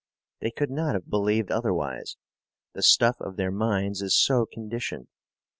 They could not have believed otherwise. The stuff of their minds is so conditioned.